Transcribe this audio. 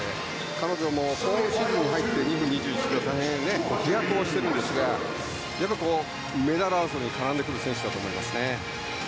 彼女も今シーズンに入って２分２１秒と大変、飛躍しているんですがメダル争いに絡んでくる選手だと思いますね。